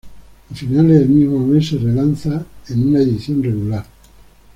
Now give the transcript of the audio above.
A finales del mismo mes se relanza en una edición regular.